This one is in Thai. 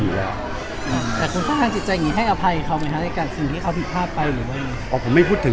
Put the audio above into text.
อยู่แล้วแผนจิตใจให้อภัยเขาไงแล้วกับสิ่งที่เขาผิดภาพไปให้กดไม่พูดถึง